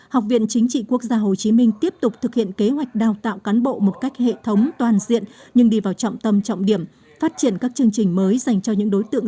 học viện chính trị quốc gia hồ chí minh tiếp tục thực hiện kế hoạch đào tạo cán bộ một cách hệ thống toàn diện